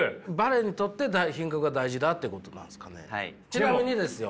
ちなみにですよ